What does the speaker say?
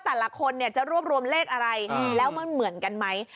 แต่ละคนเนี่ยจะรวบรวมเลขอะไรแล้วมันเหมือนกันไหม